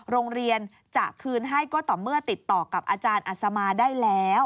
โรงเรียนจะคืนให้ก็ต่อเมื่อติดต่อกับอาจารย์อัศมาได้แล้ว